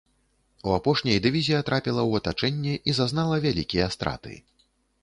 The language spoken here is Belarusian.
У апошняй дывізія трапіла ў атачэнне і зазнала вялікія страты.